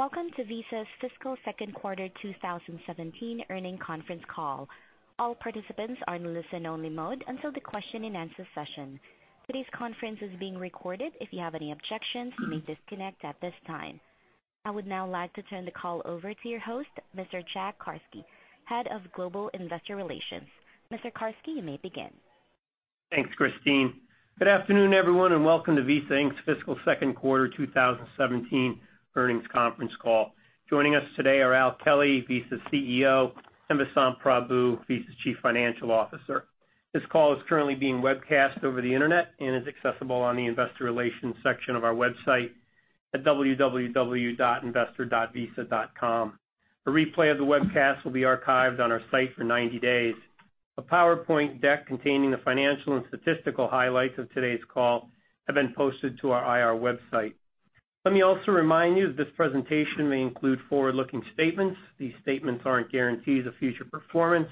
Welcome to Visa's fiscal second quarter 2017 earnings conference call. All participants are in listen-only mode until the question and answer session. Today's conference is being recorded. If you have any objections, you may disconnect at this time. I would now like to turn the call over to your host, Mr. Jack Carsky, Head of Global Investor Relations. Mr. Carsky, you may begin. Thanks, Christine. Good afternoon, everyone, and welcome to Visa Inc.'s fiscal second quarter 2017 earnings conference call. Joining us today are Al Kelly, Visa's CEO, and Vasant Prabhu, Visa's Chief Financial Officer. This call is currently being webcast over the internet and is accessible on the investor relations section of our website at www.investor.visa.com. A replay of the webcast will be archived on our site for 90 days. A PowerPoint deck containing the financial and statistical highlights of today's call have been posted to our IR website. Let me also remind you that this presentation may include forward-looking statements. These statements aren't guarantees of future performance,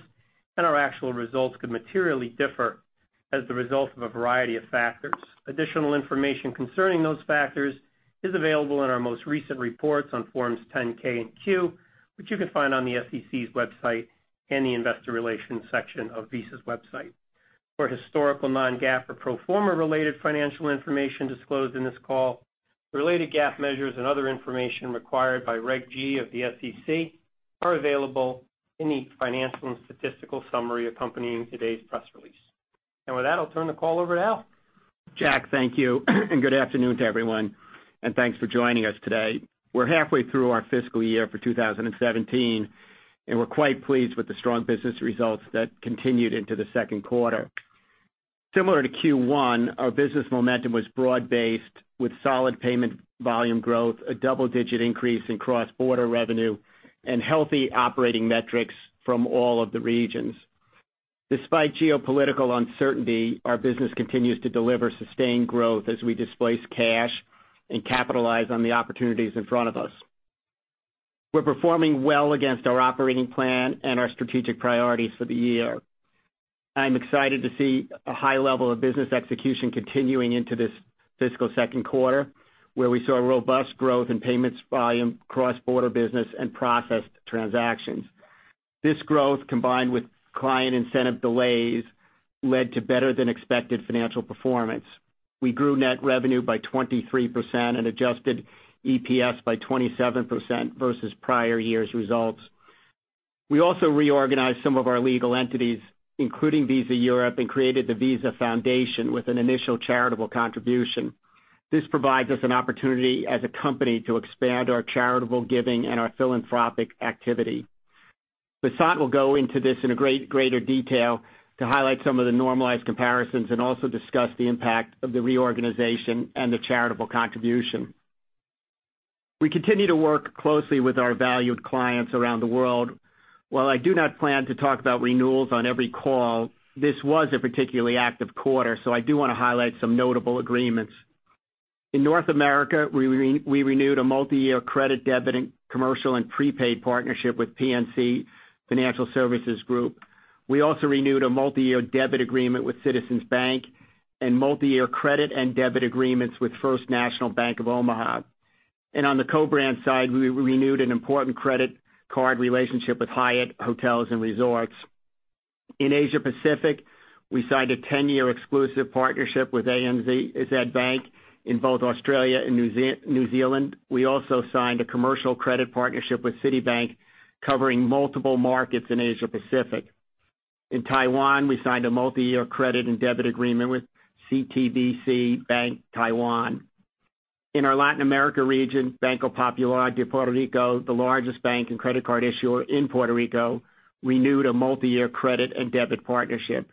and our actual results could materially differ as the result of a variety of factors. Additional information concerning those factors is available in our most recent reports on Forms 10-K and Q, which you can find on the SEC's website and the investor relations section of Visa's website. For historical non-GAAP or pro forma related financial information disclosed in this call, the related GAAP measures and other information required by Regulation G of the SEC are available in the financial and statistical summary accompanying today's press release. With that, I'll turn the call over to Al. Jack, thank you and good afternoon to everyone, and thanks for joining us today. We're halfway through our fiscal year for 2017, and we're quite pleased with the strong business results that continued into the second quarter. Similar to Q1, our business momentum was broad-based with solid payment volume growth, a double-digit increase in cross-border revenue, and healthy operating metrics from all of the regions. Despite geopolitical uncertainty, our business continues to deliver sustained growth as we displace cash and capitalize on the opportunities in front of us. We're performing well against our operating plan and our strategic priorities for the year. I'm excited to see a high level of business execution continuing into this fiscal second quarter, where we saw robust growth in payments volume, cross-border business, and processed transactions. This growth, combined with client incentive delays, led to better than expected financial performance. We grew net revenue by 23% and adjusted EPS by 27% versus prior year's results. We also reorganized some of our legal entities, including Visa Europe, and created the Visa Foundation with an initial charitable contribution. This provides us an opportunity as a company to expand our charitable giving and our philanthropic activity. Vasant will go into this in a greater detail to highlight some of the normalized comparisons and also discuss the impact of the reorganization and the charitable contribution. We continue to work closely with our valued clients around the world. While I do not plan to talk about renewals on every call, this was a particularly active quarter, so I do want to highlight some notable agreements. In North America, we renewed a multi-year credit, debit, and commercial and prepaid partnership with PNC Financial Services Group. We also renewed a multi-year debit agreement with Citizens Bank and multi-year credit and debit agreements with First National Bank of Omaha. On the co-brand side, we renewed an important credit card relationship with Hyatt Hotels & Resorts. In Asia Pacific, we signed a 10-year exclusive partnership with ANZ Bank in both Australia and New Zealand. We also signed a commercial credit partnership with Citibank covering multiple markets in Asia Pacific. In Taiwan, we signed a multi-year credit and debit agreement with CTBC Bank Taiwan. In our Latin America region, Banco Popular de Puerto Rico, the largest bank and credit card issuer in Puerto Rico, renewed a multi-year credit and debit partnership.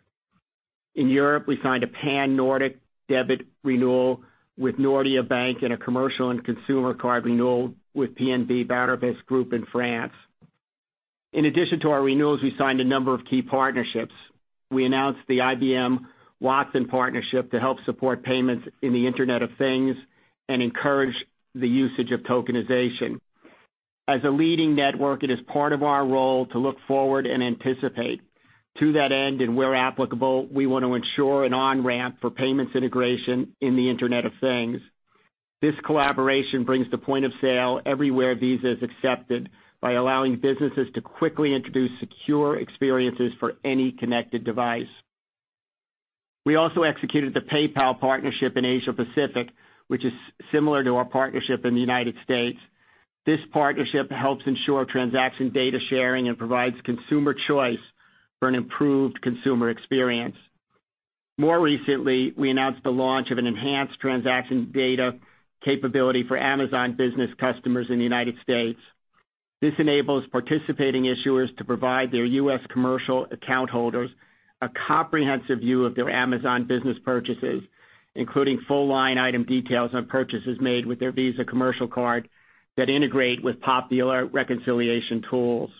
In Europe, we signed a Pan-Nordic debit renewal with Nordea Bank and a commercial and consumer card renewal with BNP Paribas Group in France. In addition to our renewals, we signed a number of key partnerships. We announced the IBM Watson partnership to help support payments in the Internet of Things and encourage the usage of tokenization. As a leading network, it is part of our role to look forward and anticipate. To that end, and where applicable, we want to ensure an on-ramp for payments integration in the Internet of Things. This collaboration brings the point of sale everywhere Visa is accepted by allowing businesses to quickly introduce secure experiences for any connected device. We also executed the PayPal partnership in Asia Pacific, which is similar to our partnership in the U.S. This partnership helps ensure transaction data sharing and provides consumer choice for an improved consumer experience. More recently, we announced the launch of an enhanced transaction data capability for Amazon business customers in the U.S. This enables participating issuers to provide their U.S. commercial account holders a comprehensive view of their Amazon business purchases, including full line item details on purchases made with their Visa commercial card that integrate with popular reconciliation tools.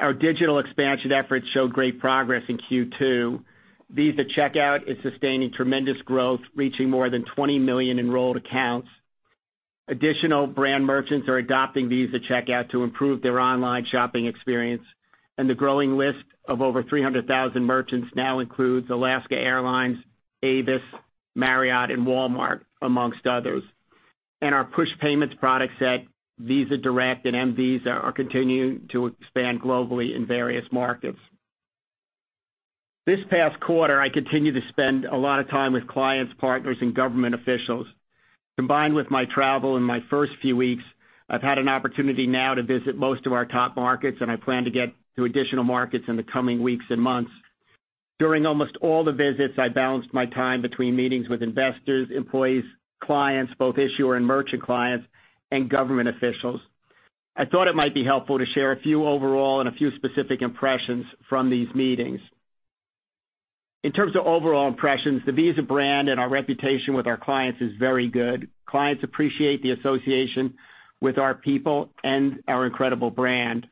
Our digital expansion efforts showed great progress in Q2. Visa Checkout is sustaining tremendous growth, reaching more than 20 million enrolled accounts. The growing list of over 300,000 merchants now includes Alaska Airlines, Avis, Marriott, and Walmart, amongst others. Our push payments product set, Visa Direct and mVisa, are continuing to expand globally in various markets. This past quarter, I continued to spend a lot of time with clients, partners, and government officials. Combined with my travel in my first few weeks, I've had an opportunity now to visit most of our top markets, and I plan to get to additional markets in the coming weeks and months. During almost all the visits, I balanced my time between meetings with investors, employees, clients, both issuer and merchant clients, and government officials. I thought it might be helpful to share a few overall and a few specific impressions from these meetings. In terms of overall impressions, the Visa brand and our reputation with our clients is very good. Clients appreciate the association with our people and our incredible brand.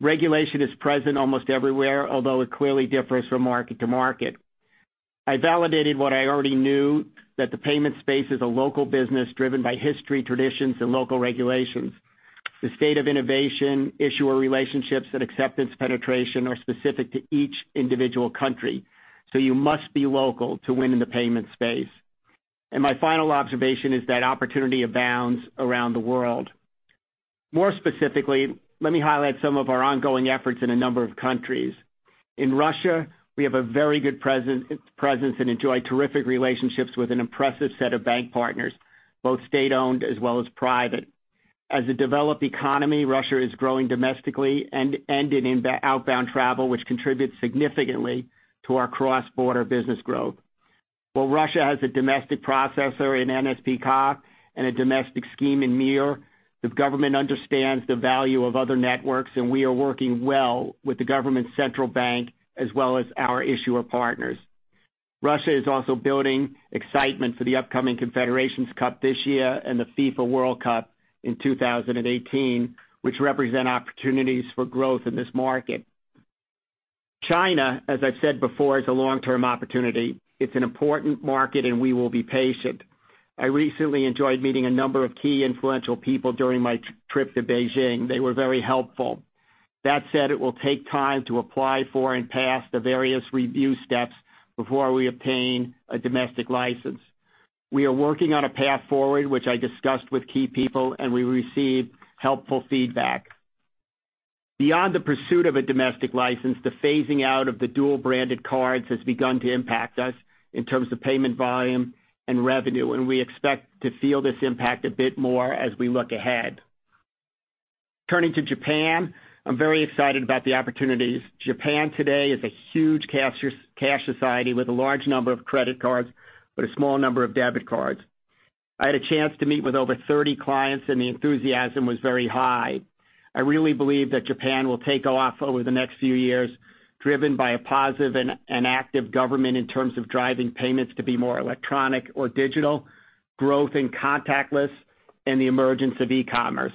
Regulation is present almost everywhere, although it clearly differs from market to market. I validated what I already knew, that the payment space is a local business driven by history, traditions, and local regulations. The state of innovation, issuer relationships, and acceptance penetration are specific to each individual country, so you must be local to win in the payments space. My final observation is that opportunity abounds around the world. More specifically, let me highlight some of our ongoing efforts in a number of countries. In Russia, we have a very good presence and enjoy terrific relationships with an impressive set of bank partners, both state-owned as well as private. As a developed economy, Russia is growing domestically and in outbound travel, which contributes significantly to our cross-border business growth. While Russia has a domestic processor in NSPK and a domestic scheme in Mir, the government understands the value of other networks, and we are working well with the government's central bank as well as our issuer partners. Russia is also building excitement for the upcoming Confederations Cup this year and the FIFA World Cup in 2018, which represent opportunities for growth in this market. China, as I've said before, is a long-term opportunity. It's an important market, and we will be patient. I recently enjoyed meeting a number of key influential people during my trip to Beijing. They were very helpful. That said, it will take time to apply for and pass the various review steps before we obtain a domestic license. We are working on a path forward, which I discussed with key people, and we received helpful feedback. Beyond the pursuit of a domestic license, the phasing out of the dual-branded cards has begun to impact us in terms of payment volume and revenue, and we expect to feel this impact a bit more as we look ahead. Turning to Japan, I'm very excited about the opportunities. Japan today is a huge cash society with a large number of credit cards but a small number of debit cards. I had a chance to meet with over 30 clients, and the enthusiasm was very high. I really believe that Japan will take off over the next few years, driven by a positive and active government in terms of driving payments to be more electronic or digital, growth in contactless, and the emergence of e-commerce.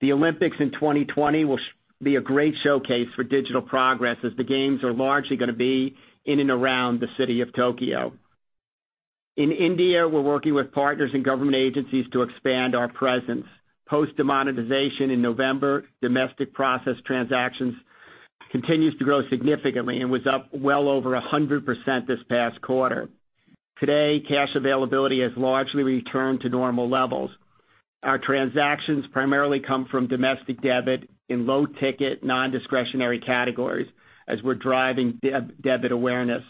The Olympics in 2020 will be a great showcase for digital progress as the games are largely going to be in and around the city of Tokyo. In India, we're working with partners and government agencies to expand our presence. Post demonetization in November, domestic processed transactions continues to grow significantly and was up well over 100% this past quarter. Today, cash availability has largely returned to normal levels. Our transactions primarily come from domestic debit in low-ticket, non-discretionary categories as we're driving debit awareness.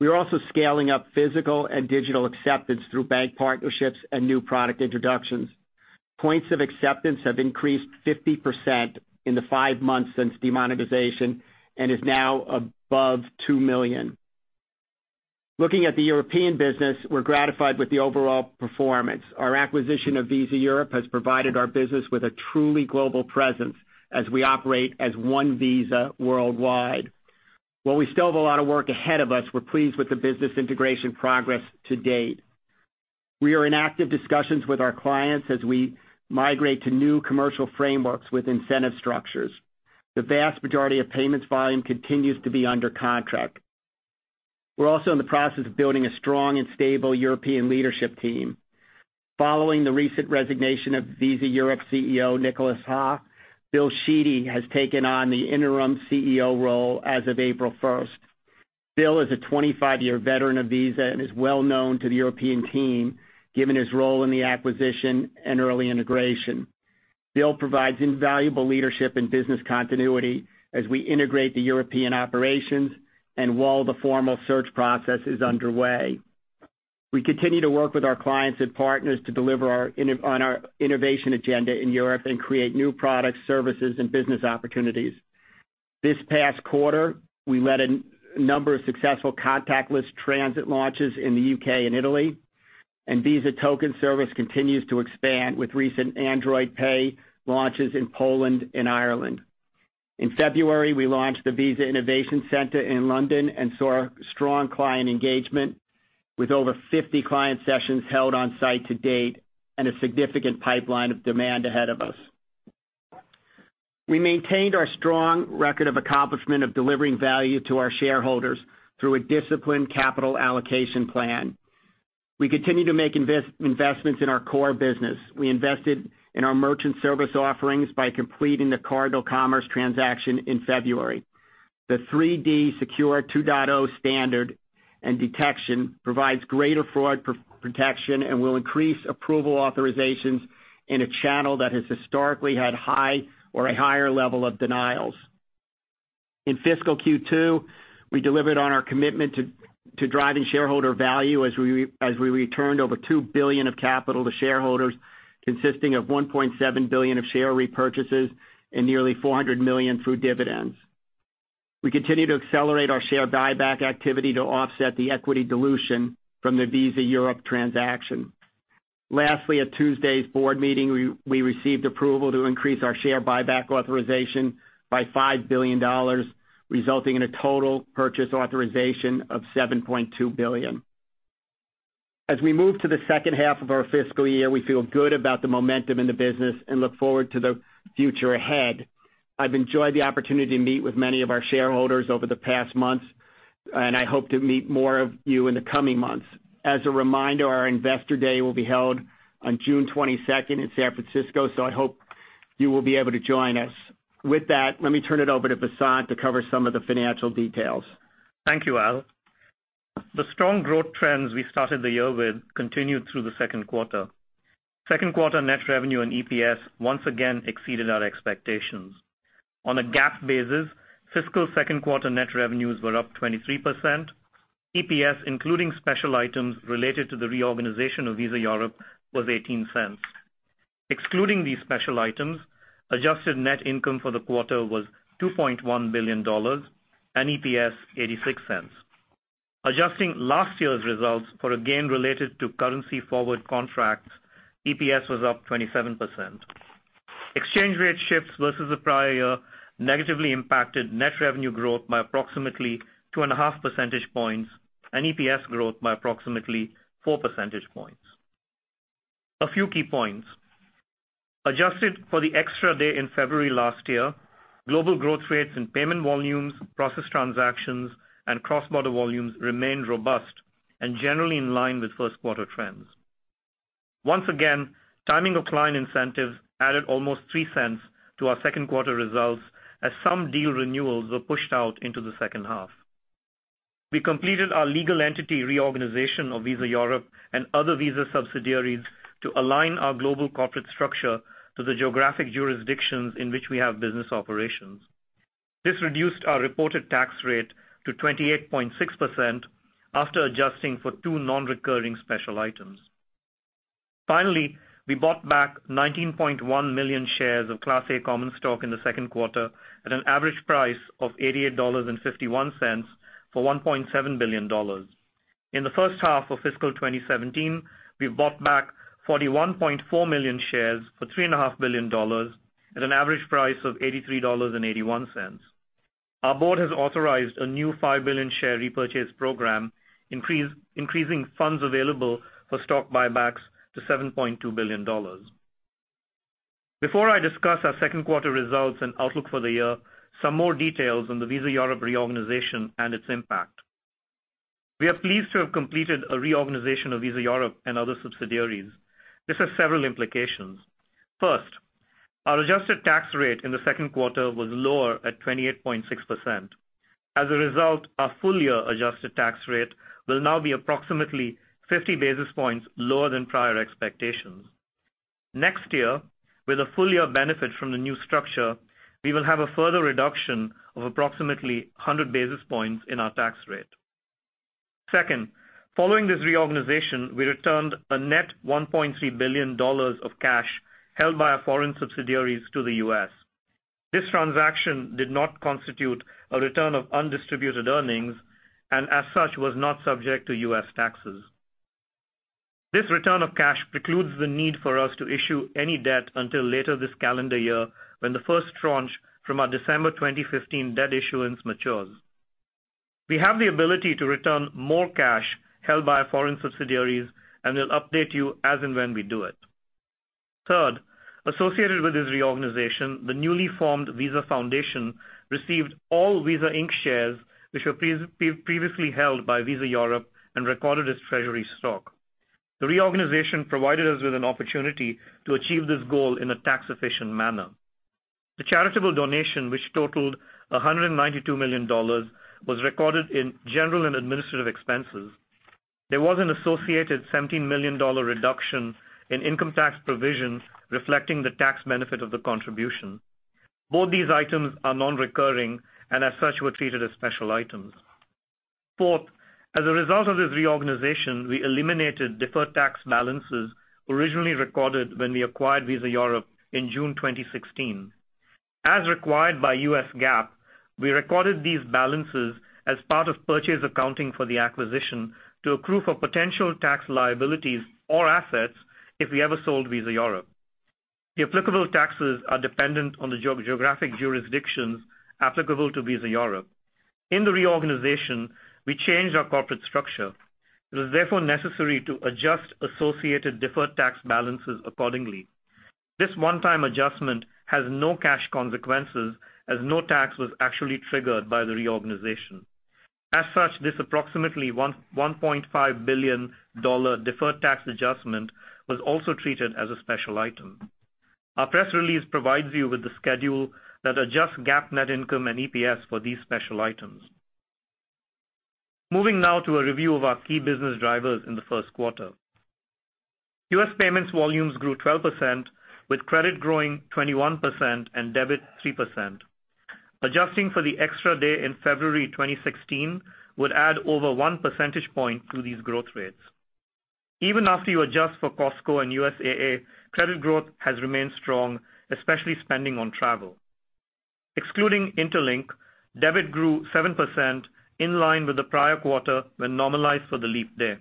We are also scaling up physical and digital acceptance through bank partnerships and new product introductions. Points of acceptance have increased 50% in the five months since demonetization and is now above 2 million. Looking at the European business, we're gratified with the overall performance. Our acquisition of Visa Europe has provided our business with a truly global presence as we operate as one Visa worldwide. While we still have a lot of work ahead of us, we're pleased with the business integration progress to date. We are in active discussions with our clients as we migrate to new commercial frameworks with incentive structures. The vast majority of payments volume continues to be under contract. We're also in the process of building a strong and stable European leadership team. Following the recent resignation of Visa Europe CEO Nicolas Huss, Bill Sheedy has taken on the interim CEO role as of April 1st. Bill is a 25-year veteran of Visa and is well known to the European team, given his role in the acquisition and early integration. Bill provides invaluable leadership and business continuity as we integrate the European operations and while the formal search process is underway. We continue to work with our clients and partners to deliver on our innovation agenda in Europe and create new products, services, and business opportunities. This past quarter, we led a number of successful contactless transit launches in the U.K. and Italy, and Visa Token Service continues to expand with recent Android Pay launches in Poland and Ireland. In February, we launched the Visa Innovation Center in London and saw strong client engagement with over 50 client sessions held on-site to date and a significant pipeline of demand ahead of us. We maintained our strong record of accomplishment of delivering value to our shareholders through a disciplined capital allocation plan. We continue to make investments in our core business. We invested in our merchant service offerings by completing the CardinalCommerce transaction in February. The 3D Secure 2.0 standard and detection provides greater fraud protection and will increase approval authorizations in a channel that has historically had high or a higher level of denials. In fiscal Q2, we delivered on our commitment to driving shareholder value as we returned over $2 billion of capital to shareholders, consisting of $1.7 billion of share repurchases and nearly $400 million through dividends. We continue to accelerate our share buyback activity to offset the equity dilution from the Visa Europe transaction. Lastly, at Tuesday's board meeting, we received approval to increase our share buyback authorization by $5 billion, resulting in a total purchase authorization of $7.2 billion. As we move to the second half of our fiscal year, we feel good about the momentum in the business and look forward to the future ahead. I've enjoyed the opportunity to meet with many of our shareholders over the past months, and I hope to meet more of you in the coming months. As a reminder, our Investor Day will be held on June 22nd in San Francisco, I hope you will be able to join us. With that, let me turn it over to Vasant to cover some of the financial details. Thank you, Al. The strong growth trends we started the year with continued through the second quarter. Second quarter net revenue and EPS once again exceeded our expectations. On a GAAP basis, fiscal second quarter net revenues were up 23%. EPS, including special items related to the reorganization of Visa Europe, was $0.18. Excluding these special items, adjusted net income for the quarter was $2.1 billion and EPS $0.86. Adjusting last year's results for a gain related to currency forward contracts, EPS was up 27%. Exchange rate shifts versus the prior year negatively impacted net revenue growth by approximately 2.5 percentage points and EPS growth by approximately four percentage points. A few key points. Adjusted for the extra day in February last year, global growth rates and payment volumes, process transactions, and cross-border volumes remained robust and generally in line with first quarter trends. Once again, timing of client incentives added almost $0.03 to our second quarter results as some deal renewals were pushed out into the second half. We completed our legal entity reorganization of Visa Europe and other Visa subsidiaries to align our global corporate structure to the geographic jurisdictions in which we have business operations. This reduced our reported tax rate to 28.6% after adjusting for two non-recurring special items. Finally, we bought back 19.1 million shares of Class A common stock in the second quarter at an average price of $88.51 for $1.7 billion. In the first half of fiscal 2017, we bought back 41.4 million shares for $3.5 billion at an average price of $83.81. Our board has authorized a new $5 billion share repurchase program, increasing funds available for stock buybacks to $7.2 billion. Before I discuss our second quarter results and outlook for the year, some more details on the Visa Europe reorganization and its impact. We are pleased to have completed a reorganization of Visa Europe and other subsidiaries. This has several implications. First, our adjusted tax rate in the second quarter was lower at 28.6%. As a result, our full-year adjusted tax rate will now be approximately 50 basis points lower than prior expectations. Next year, with a full-year benefit from the new structure, we will have a further reduction of approximately 100 basis points in our tax rate. Second, following this reorganization, we returned a net $1.3 billion of cash held by our foreign subsidiaries to the U.S. This transaction did not constitute a return of undistributed earnings and as such, was not subject to U.S. taxes. This return of cash precludes the need for us to issue any debt until later this calendar year when the first tranche from our December 2015 debt issuance matures. We have the ability to return more cash held by our foreign subsidiaries, and we'll update you as and when we do it. Third, associated with this reorganization, the newly formed Visa Foundation received all Visa Inc. shares, which were previously held by Visa Europe and recorded as treasury stock. The reorganization provided us with an opportunity to achieve this goal in a tax-efficient manner. The charitable donation, which totaled $192 million, was recorded in general and administrative expenses. There was an associated $17 million reduction in income tax provisions reflecting the tax benefit of the contribution. Both these items are non-recurring and as such, were treated as special items. Fourth, as a result of this reorganization, we eliminated deferred tax balances originally recorded when we acquired Visa Europe in June 2016. As required by U.S. GAAP, we recorded these balances as part of purchase accounting for the acquisition to accrue for potential tax liabilities or assets if we ever sold Visa Europe. The applicable taxes are dependent on the geographic jurisdictions applicable to Visa Europe. In the reorganization, we changed our corporate structure. It was therefore necessary to adjust associated deferred tax balances accordingly. This one-time adjustment has no cash consequences as no tax was actually triggered by the reorganization. As such, this approximately $1.5 billion deferred tax adjustment was also treated as a special item. Our press release provides you with the schedule that adjusts GAAP net income and EPS for these special items. Moving now to a review of our key business drivers in the first quarter. U.S. payments volumes grew 12%, with credit growing 21% and debit 3%. Adjusting for the extra day in February 2016 would add over one percentage point to these growth rates. Even after you adjust for Costco and USAA, credit growth has remained strong, especially spending on travel. Excluding Interlink, debit grew 7%, in line with the prior quarter when normalized for the leap day.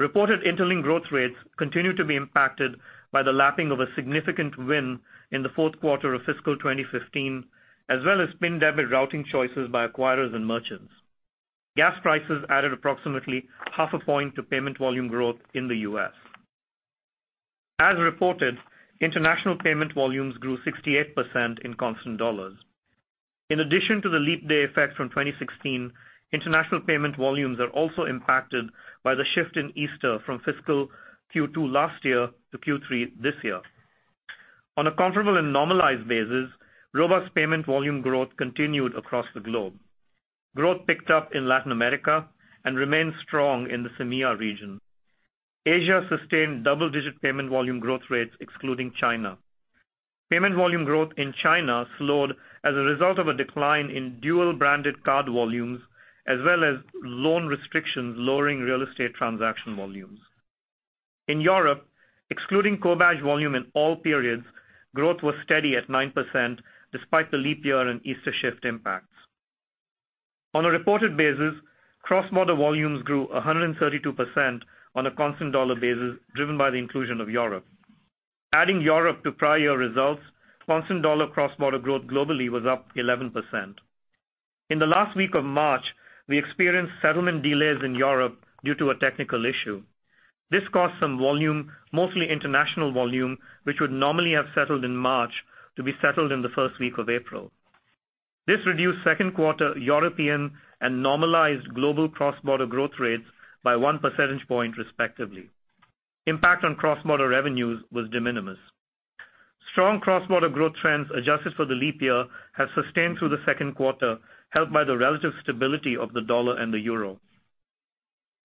Reported Interlink growth rates continue to be impacted by the lapping of a significant win in the fourth quarter of fiscal 2015, as well as PIN debit routing choices by acquirers and merchants. Gas prices added approximately half a point to payment volume growth in the U.S. As reported, international payment volumes grew 68% in constant dollars. In addition to the leap day effect from 2016, international payment volumes are also impacted by the shift in Easter from fiscal Q2 last year to Q3 this year. On a comparable and normalized basis, robust payment volume growth continued across the globe. Growth picked up in Latin America and remained strong in the CEMEA region. Asia sustained double-digit payment volume growth rates excluding China. Payment volume growth in China slowed as a result of a decline in dual-branded card volumes, as well as loan restrictions lowering real estate transaction volumes. In Europe, excluding co-badge volume in all periods, growth was steady at 9%, despite the leap year and Easter shift impacts. On a reported basis, cross-border volumes grew 132% on a constant dollar basis, driven by the inclusion of Europe. Adding Europe to prior year results, constant dollar cross-border growth globally was up 11%. In the last week of March, we experienced settlement delays in Europe due to a technical issue. This caused some volume, mostly international volume, which would normally have settled in March, to be settled in the first week of April. This reduced second quarter European and normalized global cross-border growth rates by one percentage point, respectively. Impact on cross-border revenues was de minimis. Strong cross-border growth trends adjusted for the leap year have sustained through the second quarter, helped by the relative stability of the dollar and the euro.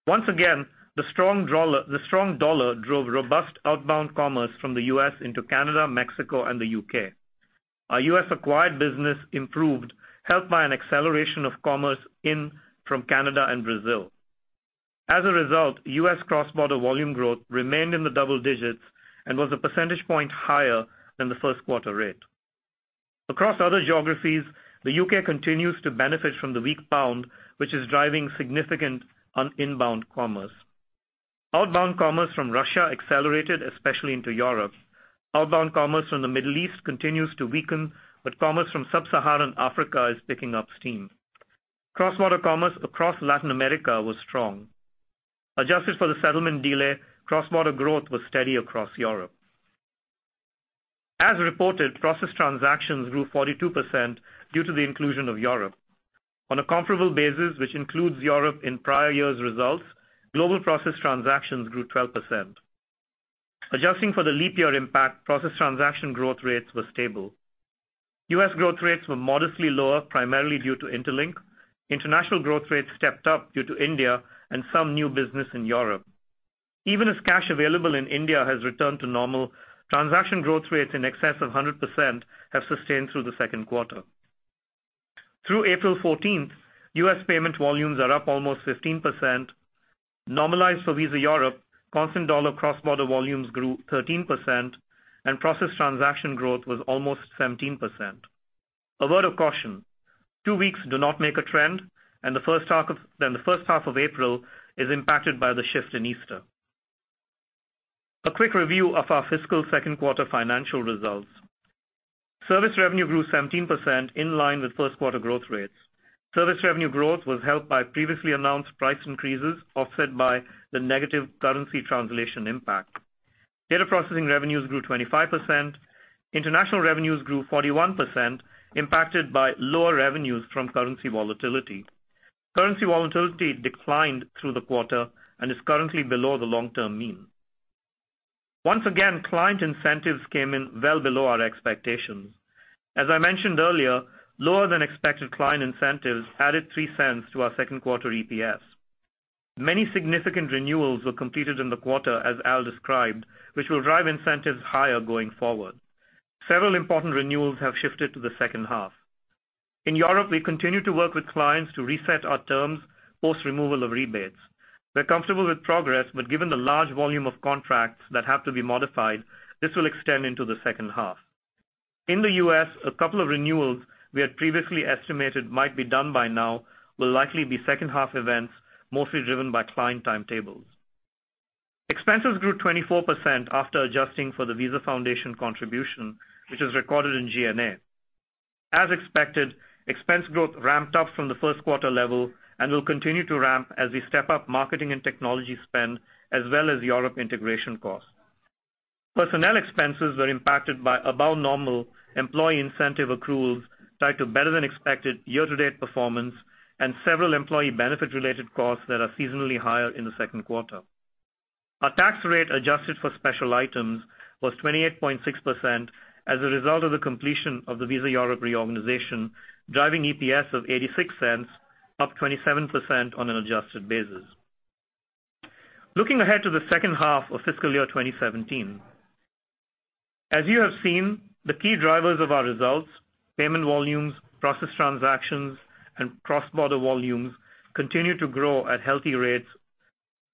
Once again, the strong dollar drove robust outbound commerce from the U.S. into Canada, Mexico, and the U.K. Our U.S. acquired business improved, helped by an acceleration of commerce in from Canada and Brazil. As a result, U.S. cross-border volume growth remained in the double digits and was a percentage point higher than the first quarter rate. Across other geographies, the U.K. continues to benefit from the weak pound, which is driving significant on inbound commerce. Outbound commerce from Russia accelerated, especially into Europe. Outbound commerce from the Middle East continues to weaken, but commerce from sub-Saharan Africa is picking up steam. Cross-border commerce across Latin America was strong. Adjusted for the settlement delay, cross-border growth was steady across Europe. As reported, process transactions grew 42% due to the inclusion of Europe. On a comparable basis, which includes Europe in prior years' results, global process transactions grew 12%. Adjusting for the leap year impact, process transaction growth rates were stable. U.S. growth rates were modestly lower, primarily due to Interlink. International growth rates stepped up due to India and some new business in Europe. Even as cash available in India has returned to normal, transaction growth rates in excess of 100% have sustained through the second quarter. Through April 14th, U.S. payment volumes are up almost 15%. Normalized for Visa Europe, constant dollar cross-border volumes grew 13%, and process transaction growth was almost 17%. A word of caution, two weeks do not make a trend, and the first half of April is impacted by the shift in Easter. A quick review of our fiscal second quarter financial results. Service revenue grew 17%, in line with first quarter growth rates. Service revenue growth was helped by previously announced price increases, offset by the negative currency translation impact. Data processing revenues grew 25%. International revenues grew 41%, impacted by lower revenues from currency volatility. Currency volatility declined through the quarter and is currently below the long-term mean. Once again, client incentives came in well below our expectations. As I mentioned earlier, lower than expected client incentives added $0.03 to our second quarter EPS. Many significant renewals were completed in the quarter, as Al described, which will drive incentives higher going forward. Several important renewals have shifted to the second half. In Europe, we continue to work with clients to reset our terms, post removal of rebates. We're comfortable with progress, but given the large volume of contracts that have to be modified, this will extend into the second half. In the U.S., a couple of renewals we had previously estimated might be done by now will likely be second half events, mostly driven by client timetables. Expenses grew 24% after adjusting for the Visa Foundation contribution, which is recorded in G&A. As expected, expense growth ramped up from the first quarter level and will continue to ramp as we step up marketing and technology spend, as well as Europe integration costs. Personnel expenses were impacted by above normal employee incentive accruals tied to better than expected year-to-date performance and several employee benefit related costs that are seasonally higher in the second quarter. Our tax rate adjusted for special items was 28.6% as a result of the completion of the Visa Europe reorganization, driving EPS of $0.86, up 27% on an adjusted basis. Looking ahead to the second half of fiscal year 2017. As you have seen, the key drivers of our results, payment volumes, process transactions, and cross-border volumes continue to grow at healthy rates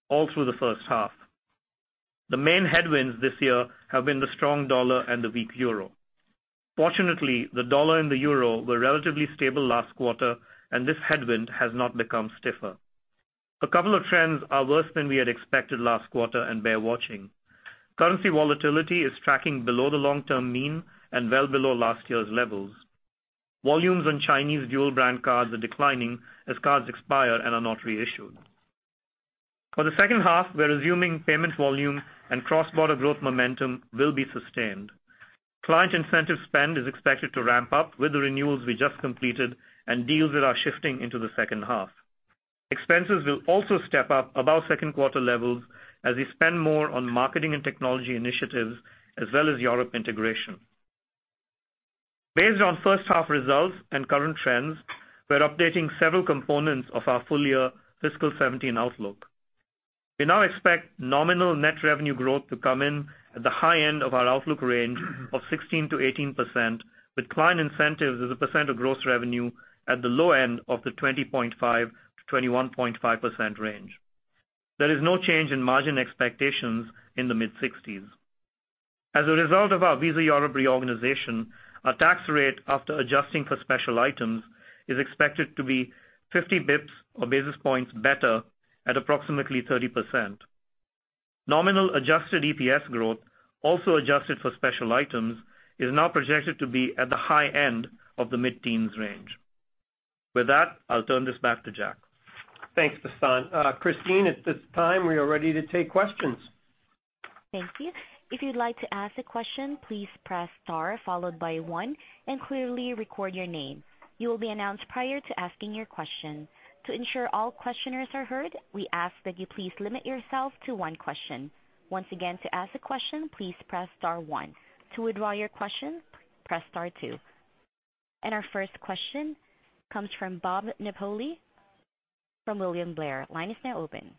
all through the first half. The main headwinds this year have been the strong dollar and the weak euro. Fortunately, the dollar and the euro were relatively stable last quarter, and this headwind has not become stiffer. A couple of trends are worse than we had expected last quarter and bear watching. Currency volatility is tracking below the long-term mean and well below last year's levels. Volumes on Chinese dual-brand cards are declining as cards expire and are not reissued. For the second half, we're assuming payment volume and cross-border growth momentum will be sustained. Client incentive spend is expected to ramp up with the renewals we just completed and deals that are shifting into the second half. Expenses will also step up above second quarter levels as we spend more on marketing and technology initiatives, as well as Europe integration. Based on first half results and current trends, we're updating several components of our full year fiscal 2017 outlook. We now expect nominal net revenue growth to come in at the high end of our outlook range of 16%-18%, with client incentives as a percent of gross revenue at the low end of the 20.5%-21.5% range. There is no change in margin expectations in the mid-60s. As a result of our Visa Europe reorganization, our tax rate after adjusting for special items is expected to be 50 basis points better at approximately 30%. Nominal adjusted EPS growth, also adjusted for special items, is now projected to be at the high end of the mid-teens range. With that, I'll turn this back to Jack. Thanks, Vasant. Christine, at this time, we are ready to take questions. Thank you. If you'd like to ask a question, please press star one and clearly record your name. You will be announced prior to asking your question. To ensure all questioners are heard, we ask that you please limit yourself to one question. Once again, to ask a question, please press star one. To withdraw your question, press star two. Our first question comes from Bob Napoli from William Blair. Line is now open.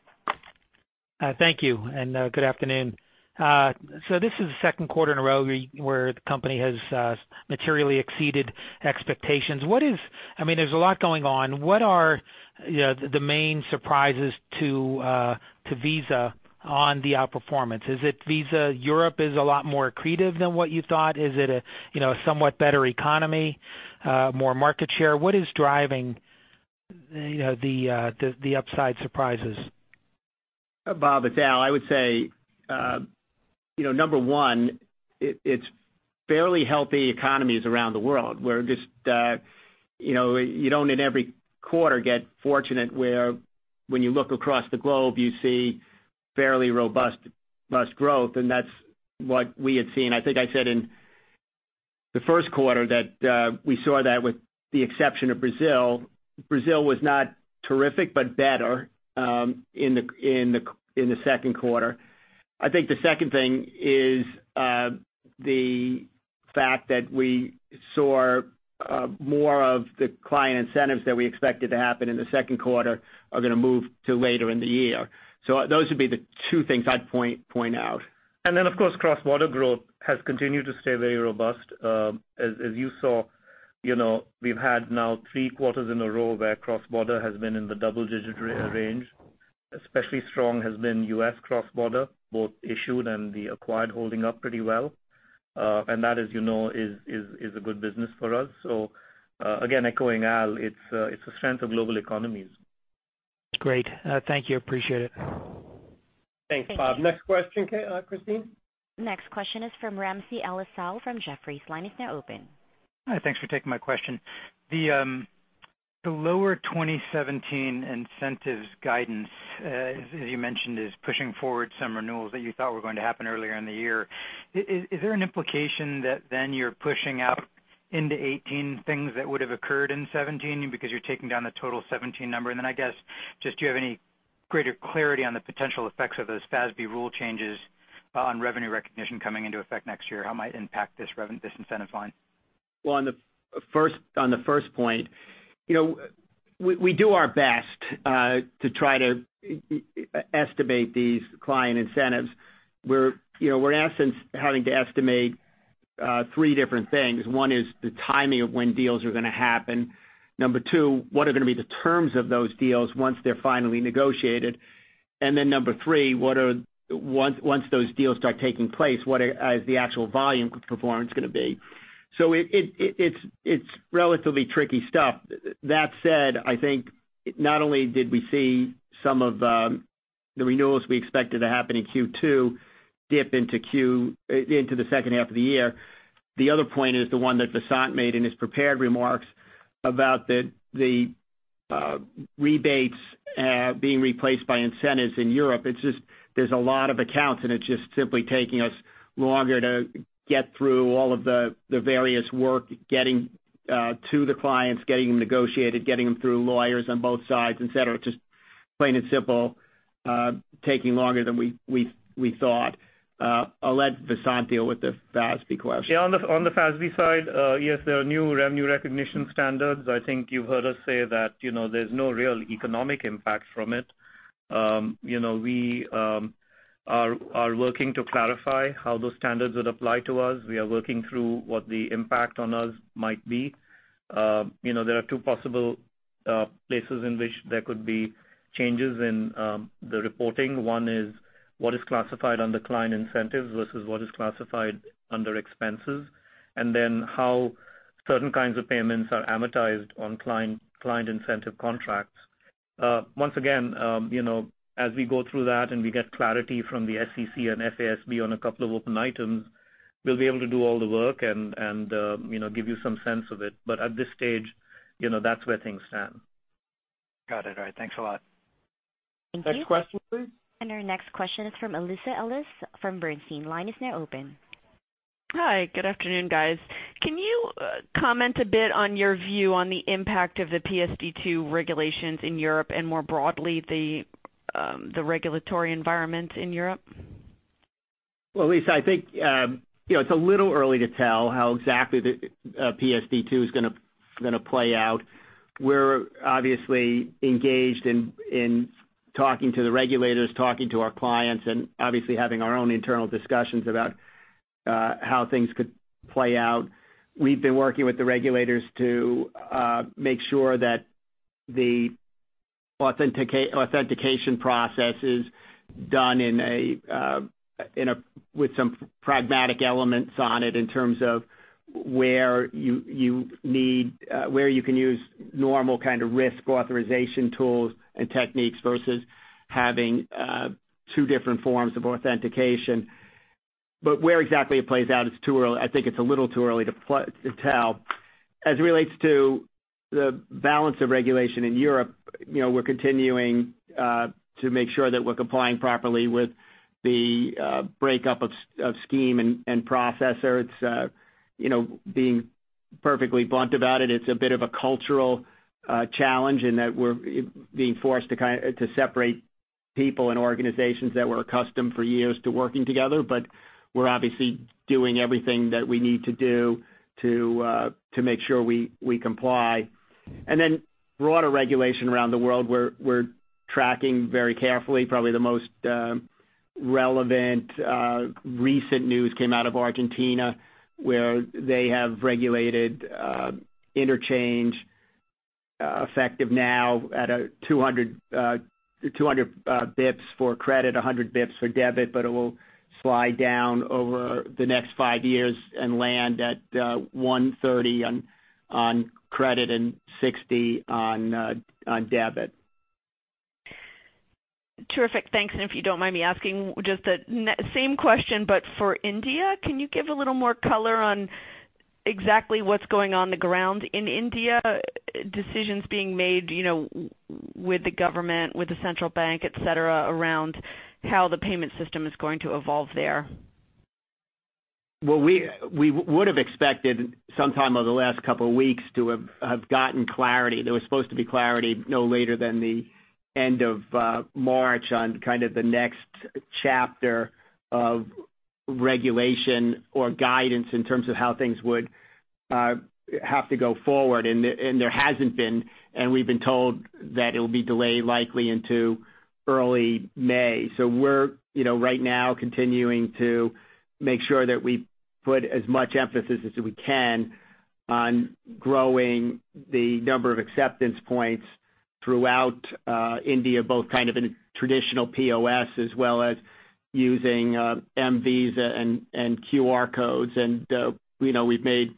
Thank you, and good afternoon. This is the second quarter in a row where the company has materially exceeded expectations. There's a lot going on. What are the main surprises to Visa on the outperformance? Is it Visa Europe is a lot more accretive than what you thought? Is it a somewhat better economy, more market share? What is driving the upside surprises? Bob, it's Al. I would say, number one, it's fairly healthy economies around the world, where you don't in every quarter get fortunate where when you look across the globe, you see fairly robust growth, and that's what we had seen. I think I said in the first quarter that we saw that with the exception of Brazil. Brazil was not terrific, but better in the second quarter. I think the second thing is the fact that we saw more of the client incentives that we expected to happen in the second quarter are going to move to later in the year. Those would be the two things I'd point out. Of course, cross-border growth has continued to stay very robust. As you saw, we've had now three quarters in a row where cross-border has been in the double-digit range. Especially strong has been U.S. cross-border, both issued and the acquired holding up pretty well. That, as you know, is a good business for us. Again, echoing Al, it's the strength of global economies. Great. Thank you. Appreciate it. Thanks, Bob. Next question, Christine. Next question is from Ramsey El-Assal from Jefferies. Line is now open. Thanks for taking my question. The lower 2017 incentives guidance, as you mentioned, is pushing forward some renewals that you thought were going to happen earlier in the year. Is there an implication that you're pushing out into 2018 things that would have occurred in 2017 because you're taking down the total 2017 number? I guess, just do you have any greater clarity on the potential effects of those FASB rule changes on revenue recognition coming into effect next year? How it might impact this incentivizing. Well, on the first point, we do our best to try to estimate these client incentives. We're in essence having to estimate three different things. One is the timing of when deals are going to happen. Number two, what are going to be the terms of those deals once they're finally negotiated? Number three, once those deals start taking place, what is the actual volume performance going to be? It's relatively tricky stuff. That said, I think not only did we see some of the renewals we expected to happen in Q2 dip into the second half of the year. The other point is the one that Vasant made in his prepared remarks about the rebates being replaced by incentives in Europe. There's a lot of accounts, and it's just simply taking us longer to get through all of the various work, getting to the clients, getting them negotiated, getting them through lawyers on both sides, et cetera. Just plain and simple, taking longer than we thought. I'll let Vasant deal with the FASB question. Yeah, on the FASB side, yes, there are new revenue recognition standards. I think you've heard us say that there's no real economic impact from it. We are working to clarify how those standards would apply to us. We are working through what the impact on us might be. There are two possible places in which there could be changes in the reporting. One is what is classified under client incentives versus what is classified under expenses, and then how certain kinds of payments are amortized on client incentive contracts. Once again, as we go through that and we get clarity from the SEC and FASB on a couple of open items, we'll be able to do all the work and give you some sense of it. At this stage, that's where things stand. Got it. All right. Thanks a lot. Next question, please. Our next question is from Lisa Ellis from Bernstein. Line is now open. Hi, good afternoon, guys. Can you comment a bit on your view on the impact of the PSD2 regulations in Europe and more broadly, the regulatory environment in Europe? Well, Lisa, I think it's a little early to tell how exactly PSD2 is going to play out. We're obviously engaged in talking to the regulators, talking to our clients, and obviously having our own internal discussions about how things could play out. We've been working with the regulators to make sure that the authentication process is done with some pragmatic elements on it in terms of where you can use normal kind of risk authorization tools and techniques versus having two different forms of authentication. Where exactly it plays out, I think it's a little too early to tell. As it relates to the balance of regulation in Europe, we're continuing to make sure that we're complying properly with the breakup of scheme and processor. Being perfectly blunt about it's a bit of a cultural challenge in that we're being forced to separate people and organizations that were accustomed for years to working together. We're obviously doing everything that we need to do to make sure we comply. Then broader regulation around the world, we're tracking very carefully. Probably the most relevant recent news came out of Argentina, where they have regulated interchange effective now at 200 basis points for credit, 100 basis points for debit, but it will slide down over the next five years and land at 130 on credit and 60 on debit. Terrific. Thanks. If you don't mind me asking just the same question, but for India, can you give a little more color on exactly what's going on the ground in India, decisions being made with the government, with the central bank, et cetera, around how the payment system is going to evolve there? Well, we would have expected sometime over the last couple of weeks to have gotten clarity. There was supposed to be clarity no later than the end of March on kind of the next chapter of regulation or guidance in terms of how things would have to go forward. There hasn't been, we've been told that it'll be delayed likely into early May. We're right now continuing to make sure that we put as much emphasis as we can on growing the number of acceptance points throughout India, both kind of in traditional POS as well as using mVisa and QR codes. We've made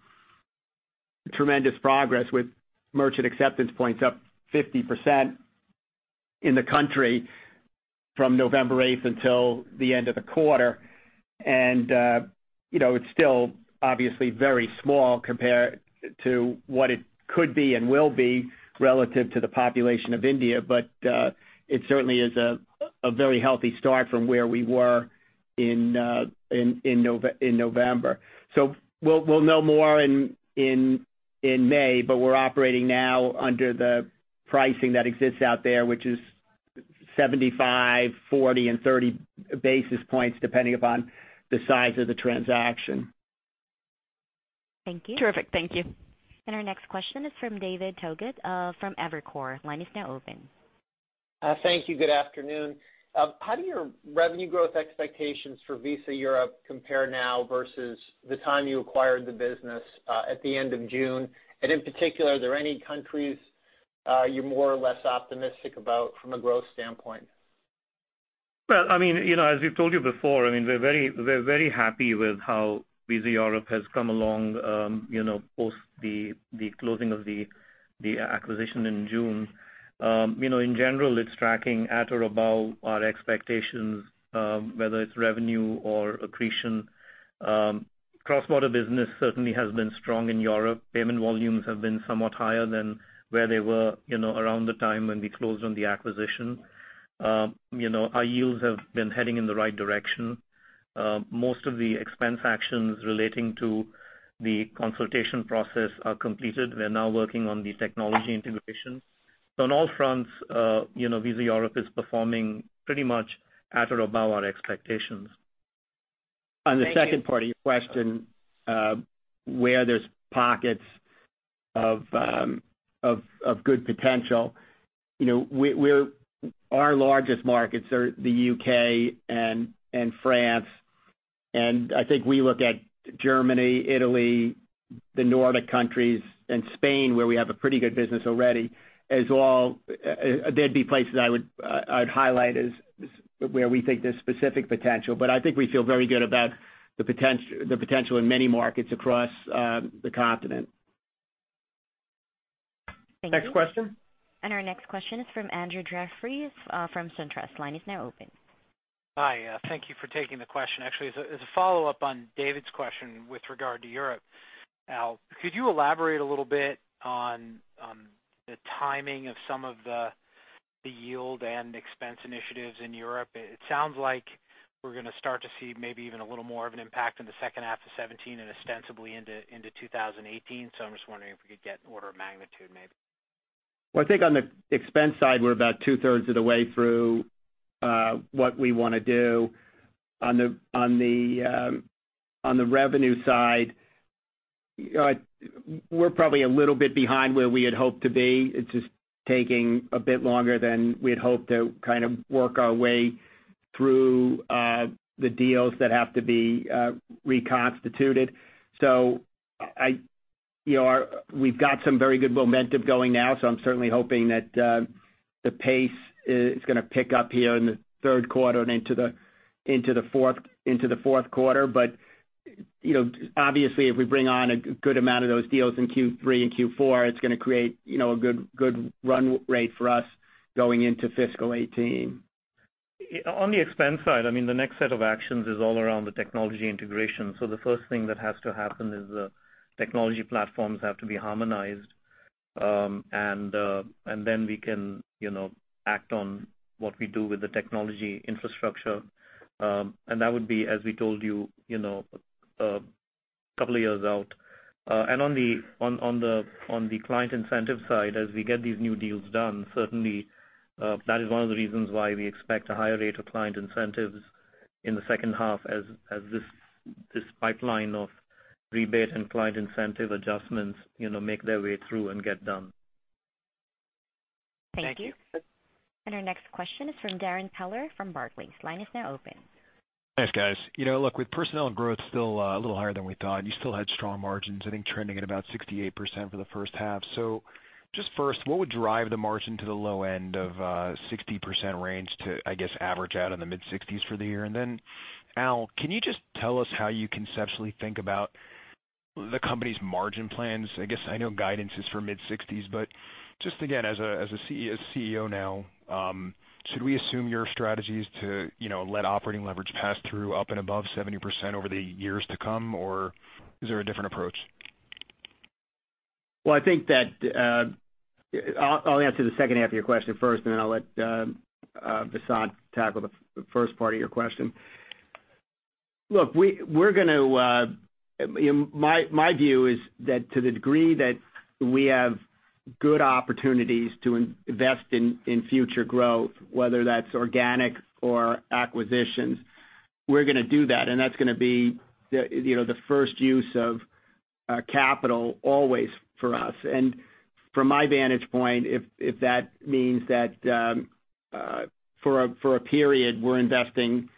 tremendous progress with merchant acceptance points up 50% in the country from November 8th until the end of the quarter. It's still obviously very small compared to what it could be and will be relative to the population of India. It certainly is a very healthy start from where we were in November. We'll know more in May, but we're operating now under the pricing that exists out there, which is 75, 40, and 30 basis points, depending upon the size of the transaction. Thank you. Terrific. Thank you. Our next question is from David Togut from Evercore. Line is now open. Thank you. Good afternoon. How do your revenue growth expectations for Visa Europe compare now versus the time you acquired the business at the end of June? In particular, are there any countries you're more or less optimistic about from a growth standpoint? Well, as we've told you before, we're very happy with how Visa Europe has come along post the closing of the acquisition in June. In general, it's tracking at or above our expectations, whether it's revenue or accretion. Cross-border business certainly has been strong in Europe. Payment volumes have been somewhat higher than where they were around the time when we closed on the acquisition. Our yields have been heading in the right direction. Most of the expense actions relating to the consultation process are completed. We're now working on the technology integration. On all fronts, Visa Europe is performing pretty much at or above our expectations. Thank you. On the second part of your question, where there is pockets of good potential, our largest markets are the U.K. and France. I think we look at Germany, Italy, the Nordic countries, and Spain, where we have a pretty good business already. They would be places I would highlight as where we think there is specific potential. I think we feel very good about the potential in many markets across the continent. Thank you. Next question. Our next question is from Andrew Jeffrey from SunTrust. Line is now open. Hi. Thank you for taking the question. Actually, as a follow-up on David's question with regard to Europe. Al, could you elaborate a little bit on the timing of some of the yield and expense initiatives in Europe? It sounds like we're gonna start to see maybe even a little more of an impact in the second half of 2017 and ostensibly into 2018. I'm just wondering if we could get an order of magnitude, maybe. Well, I think on the expense side, we're about two-thirds of the way through what we wanna do. On the revenue side, we're probably a little bit behind where we had hoped to be. It's just taking a bit longer than we had hoped to kind of work our way through the deals that have to be reconstituted. We've got some very good momentum going now, so I'm certainly hoping that the pace is gonna pick up here in the third quarter and into the fourth quarter. Obviously, if we bring on a good amount of those deals in Q3 and Q4, it's gonna create a good run rate for us going into fiscal 2018. On the expense side, the next set of actions is all around the technology integration. The first thing that has to happen is the technology platforms have to be harmonized. Then we can act on what we do with the technology infrastructure. That would be, as we told you, a couple of years out. On the client incentive side, as we get these new deals done, certainly that is one of the reasons why we expect a higher rate of client incentives in the second half as this pipeline of rebate and client incentive adjustments make their way through and get done. Thank you. Thank you. Our next question is from Darrin Peller from Barclays. Line is now open. Thanks, guys. Look, with personnel growth still a little higher than we thought, you still had strong margins, I think trending at about 68% for the first half. Just first, what would drive the margin to the low end of 60% range to, I guess, average out in the mid-60s for the year? Then Al, can you just tell us how you conceptually think about the company's margin plans? I guess I know guidance is for mid-60s, but just again, as a CEO now, should we assume your strategy is to let operating leverage pass through up and above 70% over the years to come, or is there a different approach? Well, I'll answer the second half of your question first, and then I'll let Vasant tackle the first part of your question. My view is that to the degree that we have good opportunities to invest in future growth, whether that's organic or acquisitions, we're gonna do that, and that's gonna be the first use of capital always for us. From my vantage point, if that means that for a period, we're investing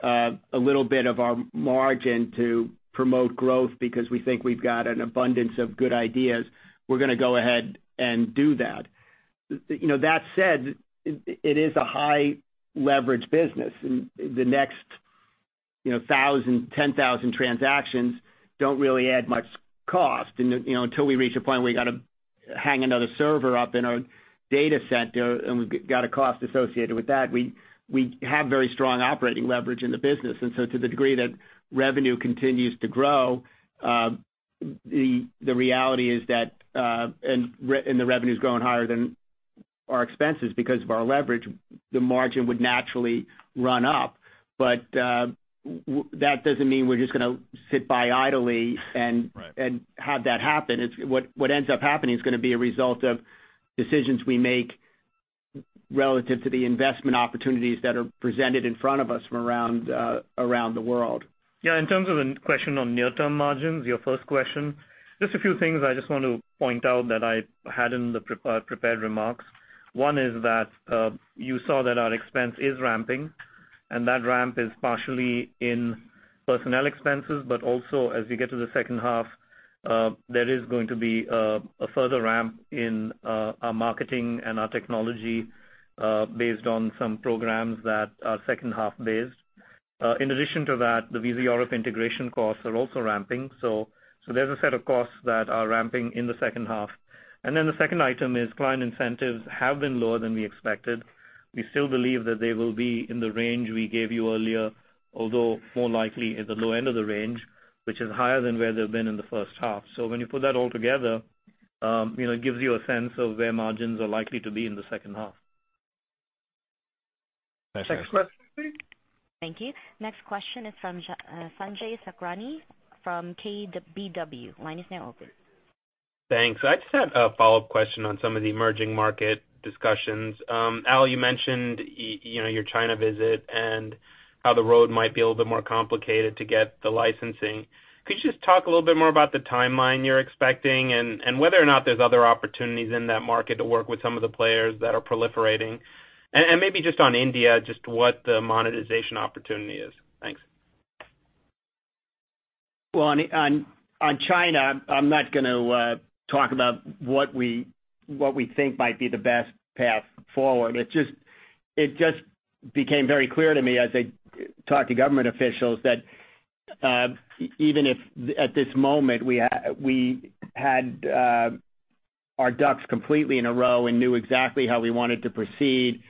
a little bit of our margin to promote growth because we think we've got an abundance of good ideas, we're gonna go ahead and do that. That said, it is a high-leverage business, and the next 10,000 transactions don't really add much cost until we reach a point where we got to hang another server up in our data center, and we've got a cost associated with that. We have very strong operating leverage in the business. To the degree that revenue continues to grow, the reality is that the revenue's growing higher than our expenses because of our leverage, the margin would naturally run up. That doesn't mean we're just gonna sit by idly and- Right Have that happen. What ends up happening is gonna be a result of decisions we make relative to the investment opportunities that are presented in front of us from around the world. Yeah. In terms of the question on near-term margins, your first question, just a few things I just want to point out that I had in the prepared remarks. One is that you saw that our expense is ramping, that ramp is partially in personnel expenses, but also as we get to the second half, there is going to be a further ramp in our marketing and our technology based on some programs that are second half based. In addition to that, the Visa Europe integration costs are also ramping. There's a set of costs that are ramping in the second half. The second item is client incentives have been lower than we expected. We still believe that they will be in the range we gave you earlier, although more likely at the low end of the range, which is higher than where they've been in the first half. When you put that all together, it gives you a sense of where margins are likely to be in the second half. Next question. Thank you. Next question is from Sanjay Sakhrani from KBW. Line is now open. Thanks. I just had a follow-up question on some of the emerging market discussions. Al, you mentioned your China visit and how the road might be a little bit more complicated to get the licensing. Could you just talk a little bit more about the timeline you're expecting and whether or not there's other opportunities in that market to work with some of the players that are proliferating? Maybe just on India, just what the monetization opportunity is. Thanks. On China, I'm not going to talk about what we think might be the best path forward. It just became very clear to me as I talked to government officials that even if at this moment we had our ducks completely in a row and knew exactly how we wanted to proceed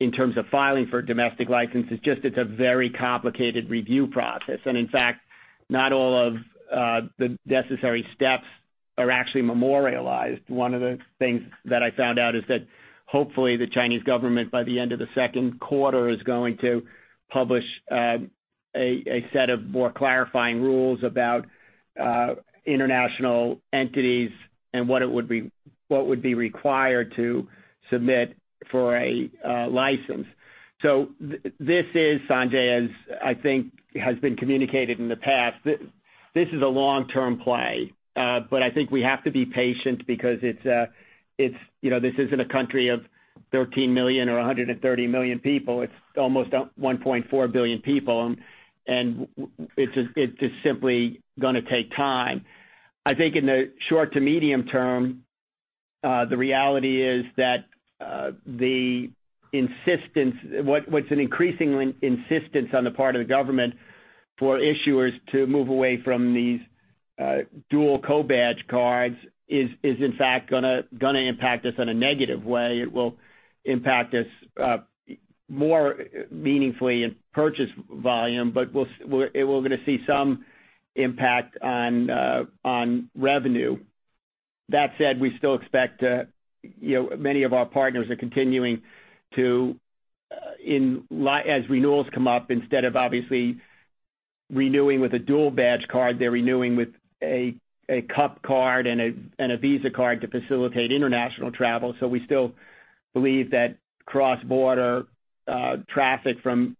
in terms of filing for domestic licenses, it's a very complicated review process. In fact, not all of the necessary steps are actually memorialized. One of the things that I found out is that hopefully the Chinese government, by the end of the second quarter, is going to publish a set of more clarifying rules about international entities and what would be required to submit for a license. This is, Sanjay, as I think has been communicated in the past, this is a long-term play. I think we have to be patient because this isn't a country of 13 million or 130 million people. It's almost 1.4 billion people, and it's just simply going to take time. I think in the short to medium term, the reality is that what's an increasing insistence on the part of the government for issuers to move away from these dual co-badge cards is, in fact, going to impact us in a negative way. It will impact us more meaningfully in purchase volume, but we're going to see some impact on revenue. That said, we still expect many of our partners are continuing to, as renewals come up, instead of obviously renewing with a dual badge card, they're renewing with a CUP card and a Visa card to facilitate international travel. We still believe that cross-border traffic from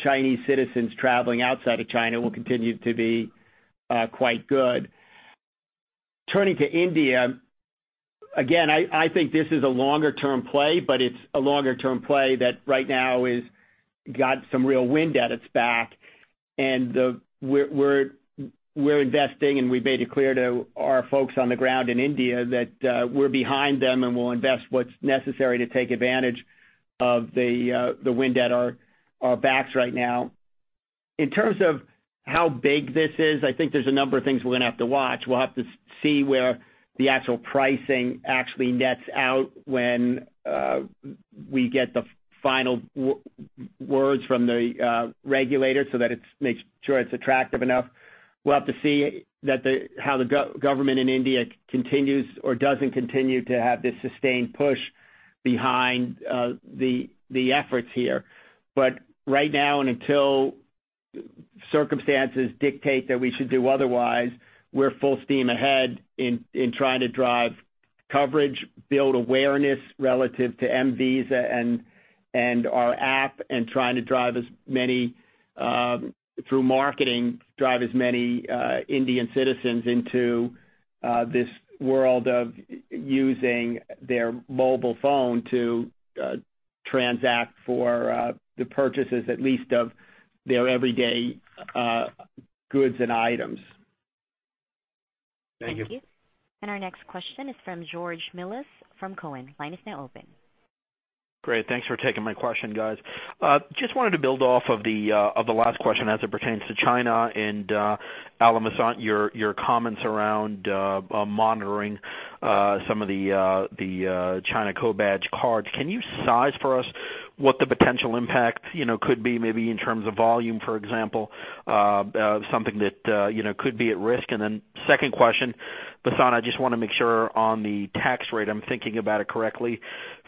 Chinese citizens traveling outside of China will continue to be quite good. Turning to India, again, I think this is a longer-term play, but it's a longer-term play that right now has got some real wind at its back. We're investing, and we made it clear to our folks on the ground in India that we're behind them and we'll invest what's necessary to take advantage of the wind at our backs right now. In terms of how big this is, I think there's a number of things we're going to have to watch. We'll have to see where the actual pricing actually nets out when we get the final words from the regulator so that it makes sure it's attractive enough. We'll have to see how the government in India continues or doesn't continue to have this sustained push behind the efforts here. Right now, and until circumstances dictate that we should do otherwise, we're full steam ahead in trying to drive coverage, build awareness relative to mVisa and our app, and trying to drive as many through marketing, drive as many Indian citizens into this world of using their mobile phone to transact for the purchases, at least of their everyday goods and items. Thank you. Thank you. Our next question is from Georgios Mihalos from Cowen. Line is now open. Great. Thanks for taking my question, guys. Just wanted to build off of the last question as it pertains to China. Al and Vasant, your comments around monitoring some of the China co-badge cards. Can you size for us what the potential impact could be maybe in terms of volume, for example something that could be at risk? Second question, Vasant, I just want to make sure on the tax rate, I'm thinking about it correctly.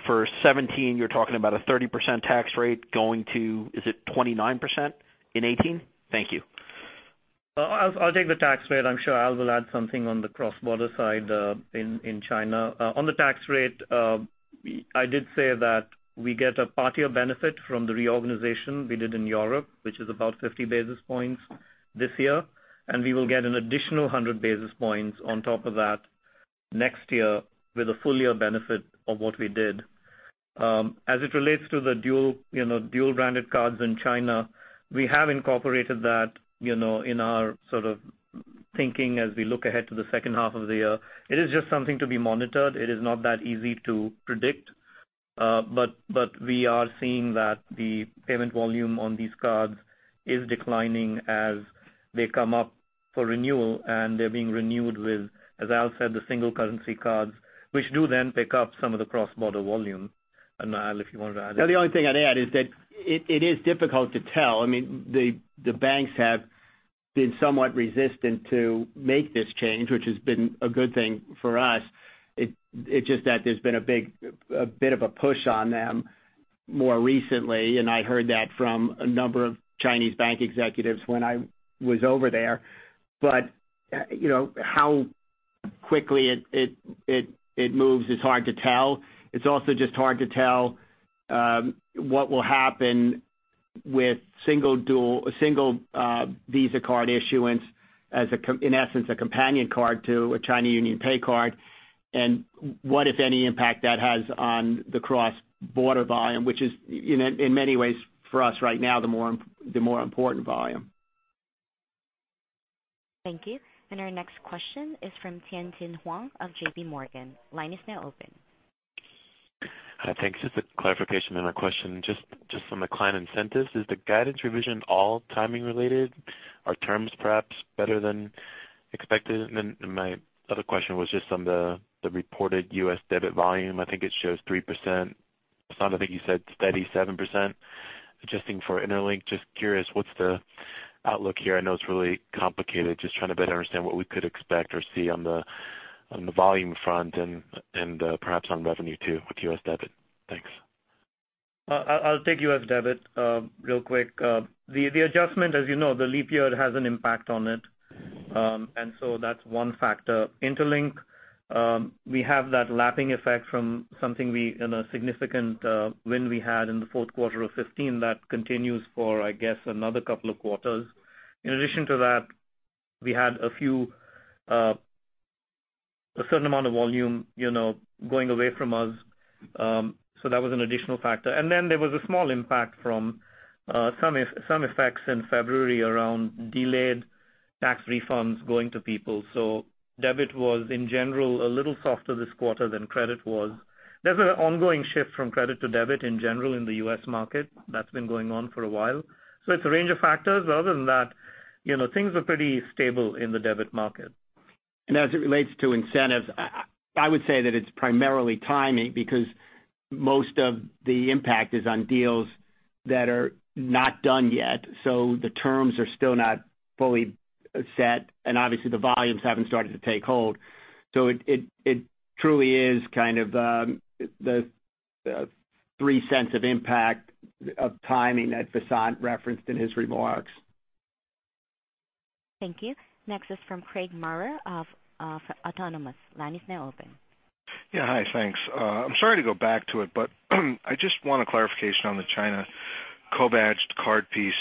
For 2017, you're talking about a 30% tax rate going to, is it 29% in 2018? Thank you. I'll take the tax rate. I'm sure Al will add something on the cross-border side in China. On the tax rate, I did say that we get a partial benefit from the reorganization we did in Europe, which is about 50 basis points this year, and we will get an additional 100 basis points on top of that next year with a full year benefit of what we did. As it relates to the dual-branded cards in China, we have incorporated that in our thinking as we look ahead to the second half of the year. It is just something to be monitored. It is not that easy to predict. We are seeing that the payment volume on these cards is declining as they come up for renewal, and they're being renewed with, as Al said, the single currency cards, which do then pick up some of the cross-border volume. Al, if you want to add. The only thing I'd add is that it is difficult to tell. The banks have been somewhat resistant to make this change, which has been a good thing for us. It's just that there's been a bit of a push on them more recently, and I heard that from a number of Chinese bank executives when I was over there. How quickly it moves is hard to tell. It's also just hard to tell what will happen with single Visa card issuance as, in essence, a companion card to a China UnionPay card, and what, if any, impact that has on the cross-border volume, which is, in many ways for us right now, the more important volume. Thank you. Our next question is from Tien-Tsin Huang of JPMorgan. Line is now open. Hi, thanks. Just a clarification on a question just from the client incentives. Is the guidance revision all timing related? Are terms perhaps better than expected? Then my other question was just on the reported U.S. debit volume. I think it shows 3%. Vasant, I think you said steady 7%, adjusting for Interlink. Just curious, what's the outlook here? I know it's really complicated. Just trying to better understand what we could expect or see on the volume front and perhaps on revenue too with U.S. debit. Thanks. I'll take U.S. debit real quick. The adjustment, as you know, the leap year has an impact on it. That's one factor. Interlink, we have that lapping effect from something in a significant win we had in the fourth quarter of 2015 that continues for, I guess, another couple of quarters. In addition to that, we had a certain amount of volume going away from us. That was an additional factor. There was a small impact from some effects in February around delayed tax refunds going to people. Debit was, in general, a little softer this quarter than credit was. There's an ongoing shift from credit to debit in general in the U.S. market. That's been going on for a while. It's a range of factors. Other than that, things are pretty stable in the debit market. As it relates to incentives, I would say that it's primarily timing because most of the impact is on deals that are not done yet, the terms are still not fully set, and obviously the volumes haven't started to take hold. It truly is kind of the $0.03 of impact of timing that Vasant referenced in his remarks. Thank you. Next is from Craig Maurer of Autonomous. Line is now open. Hi, thanks. I'm sorry to go back to it, but I just want a clarification on the China co-badged card piece.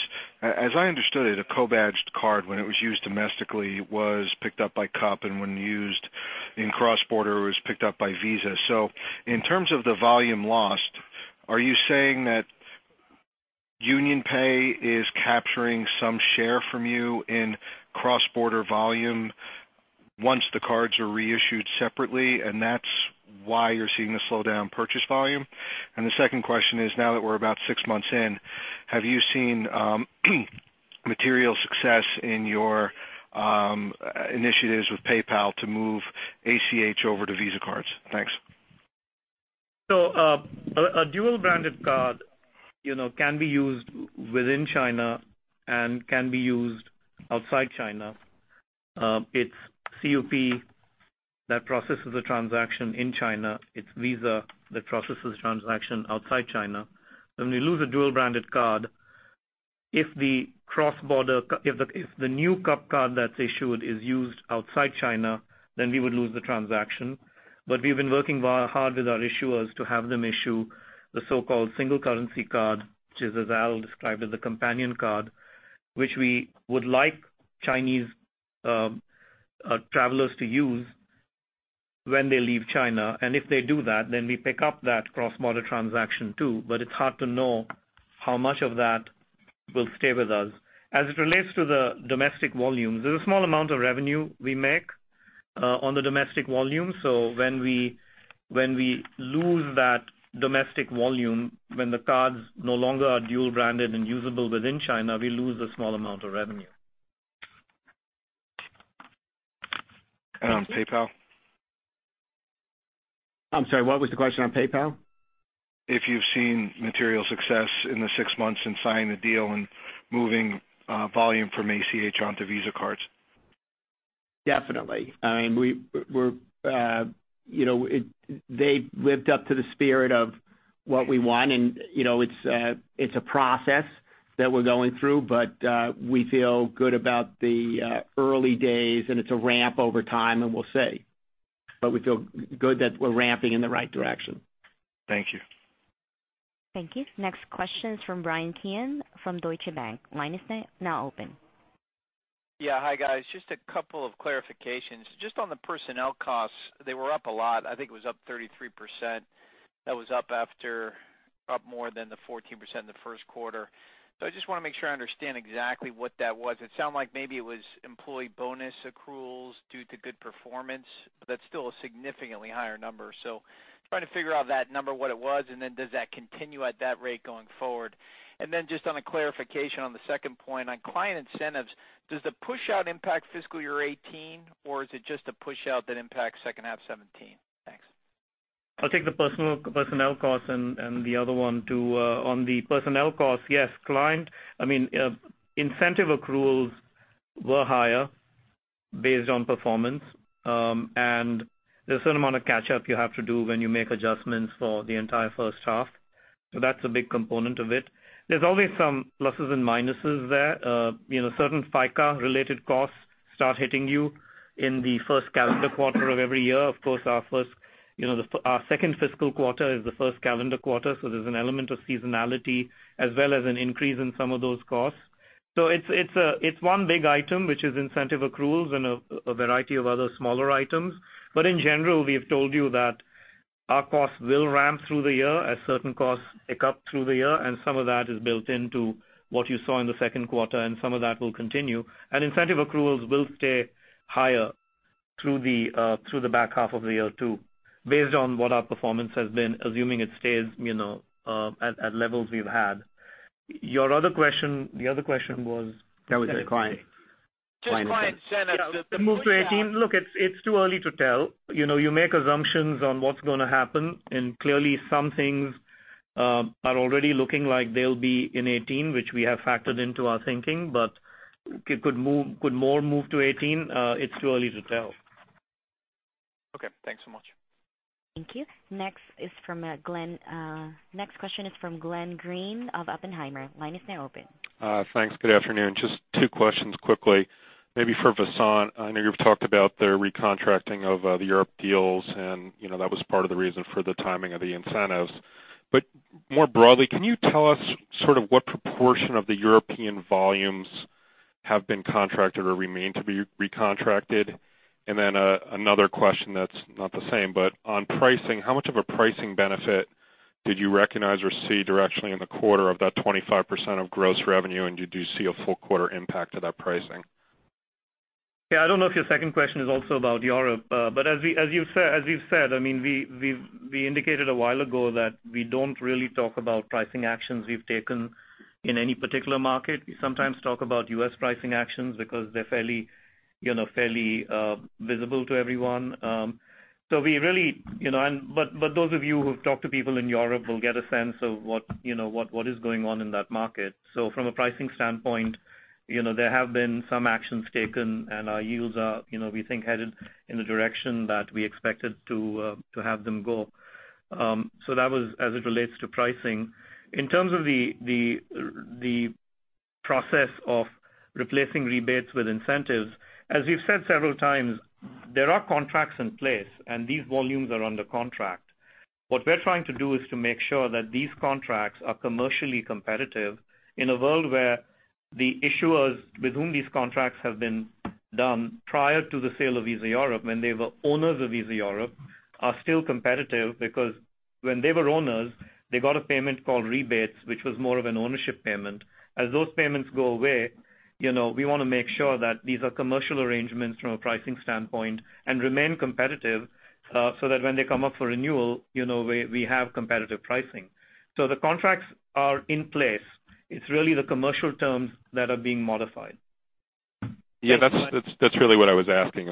As I understood it, a co-badged card when it was used domestically was picked up by CUP, and when used in cross-border was picked up by Visa. In terms of the volume lost, are you saying that UnionPay is capturing some share from you in cross-border volume once the cards are reissued separately, and that's why you're seeing the slowdown purchase volume? The second question is, now that we're about six months in, have you seen material success in your initiatives with PayPal to move ACH over to Visa cards? Thanks. A dual-branded card can be used within China and can be used outside China. It's CUP that processes a transaction in China. It's Visa that processes a transaction outside China. When we lose a dual-branded card, if the new CUP card that's issued is used outside China, then we would lose the transaction. We've been working hard with our issuers to have them issue the so-called single currency card, which is, as Al described it, the companion card, which we would like Chinese travelers to use when they leave China. If they do that, then we pick up that cross-border transaction too. It's hard to know how much of that will stay with us. As it relates to the domestic volumes, there's a small amount of revenue we make on the domestic volume. When we lose that domestic volume, when the cards no longer are dual-branded and usable within China, we lose a small amount of revenue. On PayPal? I'm sorry, what was the question on PayPal? If you've seen material success in the six months since signing the deal and moving volume from ACH onto Visa cards. Definitely. They've lived up to the spirit of what we want, it's a process that we're going through, we feel good about the early days, it's a ramp over time, we'll see. We feel good that we're ramping in the right direction. Thank you. Thank you. Next question is from Bryan Keane from Deutsche Bank. Line is now open. Yeah. Hi, guys. Just a couple of clarifications. Just on the personnel costs, they were up a lot. I think it was up 33%. That was up more than the 14% in the first quarter. I just want to make sure I understand exactly what that was. It sounded like maybe it was employee bonus accruals due to good performance, but that's still a significantly higher number. Trying to figure out that number, what it was, and then does that continue at that rate going forward? Just on a clarification on the second point, on client incentives, does the push-out impact fiscal year 2018, or is it just a push-out that impacts second half 2017? Thanks. I'll take the personnel cost and the other one too. On the personnel cost, yes, incentive accruals were higher based on performance. There's a certain amount of catch-up you have to do when you make adjustments for the entire first half. That's a big component of it. There's always some pluses and minuses there. Certain FICA related costs start hitting you in the first calendar quarter of every year. Of course, our second fiscal quarter is the first calendar quarter, so there's an element of seasonality as well as an increase in some of those costs. It's one big item, which is incentive accruals and a variety of other smaller items. In general, we have told you that our costs will ramp through the year as certain costs tick up through the year, and some of that is built into what you saw in the second quarter, and some of that will continue. Incentive accruals will stay higher through the back half of the year, too, based on what our performance has been, assuming it stays at levels we've had. Your other question, the other question was? That was it, client. Just client incentives. Move to 2018? Look, it's too early to tell. You make assumptions on what's going to happen. Clearly some things are already looking like they'll be in 2018, which we have factored into our thinking. Could more move to 2018? It's too early to tell. Okay. Thanks so much. Thank you. Next question is from Glenn Greene of Oppenheimer. Line is now open. Thanks. Good afternoon. Just two questions quickly, maybe for Vasant. I know you've talked about the recontracting of the Europe deals, and that was part of the reason for the timing of the incentives. More broadly, can you tell us sort of what proportion of the European volumes have been contracted or remain to be recontracted? Another question that's not the same, on pricing, how much of a pricing benefit did you recognize or see directionally in the quarter of that 25% of gross revenue? Did you see a full quarter impact of that pricing? Yeah, I don't know if your second question is also about Europe. As we've said, we indicated a while ago that we don't really talk about pricing actions we've taken in any particular market. We sometimes talk about U.S. pricing actions because they're fairly visible to everyone. Those of you who've talked to people in Europe will get a sense of what is going on in that market. From a pricing standpoint, there have been some actions taken, and our yields are, we think, headed in the direction that we expected to have them go. That was as it relates to pricing. In terms of the process of replacing rebates with incentives, as we've said several times, there are contracts in place, and these volumes are under contract. What we're trying to do is to make sure that these contracts are commercially competitive in a world where the issuers with whom these contracts have been done prior to the sale of Visa Europe, when they were owners of Visa Europe, are still competitive because when they were owners, they got a payment called rebates, which was more of an ownership payment. As those payments go away, we want to make sure that these are commercial arrangements from a pricing standpoint and remain competitive so that when they come up for renewal, we have competitive pricing. The contracts are in place. It's really the commercial terms that are being modified. Yeah. That's really what I was asking.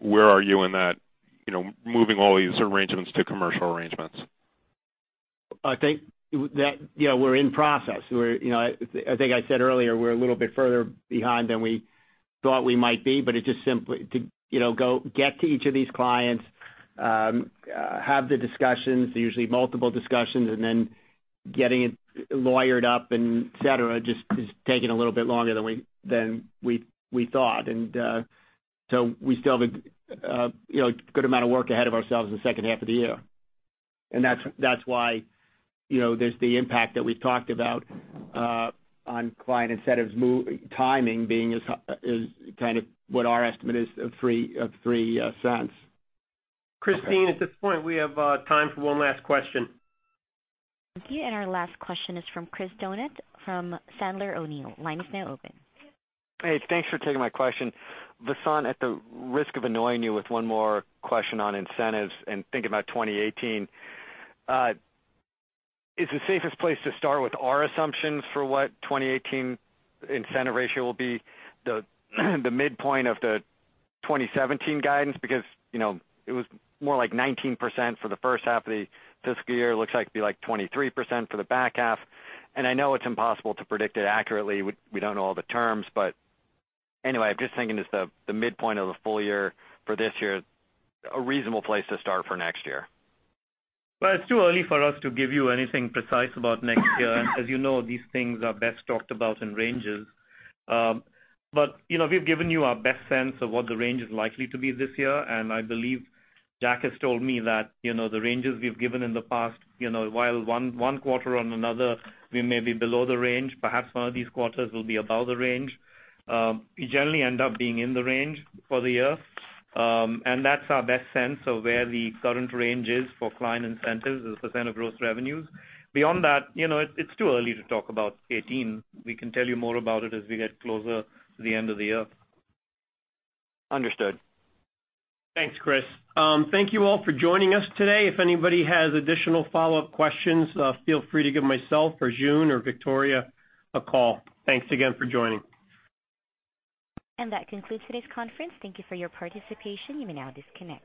Where are you in that, moving all these arrangements to commercial arrangements? I think we're in process. I think I said earlier, we're a little bit further behind than we thought we might be. It just simply to get to each of these clients, have the discussions, usually multiple discussions, and then getting it lawyered up and et cetera, just is taking a little bit longer than we thought. We still have a good amount of work ahead of ourselves in the second half of the year. That's why there's the impact that we've talked about on client incentives timing being kind of what our estimate is of $0.03. Christine, at this point, we have time for one last question. Thank you. Our last question is from Chris Donat from Sandler O'Neill. Line is now open. Hey, thanks for taking my question. Vasant, at the risk of annoying you with one more question on incentives and thinking about 2018, is the safest place to start with our assumptions for what 2018 incentive ratio will be the midpoint of the 2017 guidance? It was more like 19% for the first half of the fiscal year, looks like it'll be like 23% for the back half. I know it's impossible to predict it accurately. We don't know all the terms. Anyway, I'm just thinking is the midpoint of the full year for this year a reasonable place to start for next year? Well, it's too early for us to give you anything precise about next year. As you know, these things are best talked about in ranges. We've given you our best sense of what the range is likely to be this year, and I believe Jack has told me that the ranges we've given in the past, while one quarter on another, we may be below the range. Perhaps one of these quarters will be above the range. We generally end up being in the range for the year, and that's our best sense of where the current range is for client incentives as a % of gross revenues. Beyond that, it's too early to talk about 2018. We can tell you more about it as we get closer to the end of the year. Understood. Thanks, Chris. Thank you all for joining us today. If anybody has additional follow-up questions, feel free to give myself or Joon or Victoria a call. Thanks again for joining. That concludes today's conference. Thank you for your participation. You may now disconnect.